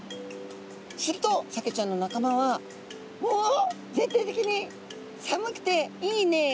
するとサケちゃんの仲間は「おお！全体的に寒くていいね。